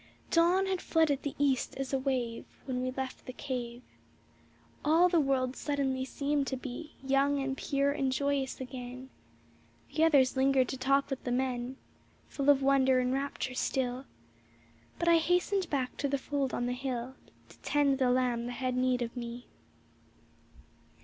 Dawn had flooded the east as a wave When we left the cave; All the world suddenly seemed to be Young and pure and joyous again; The others lingered to talk with the men, Full of wonder and rapture still; But I hastened back to the fold on the hill To tend the lamb that had need of me.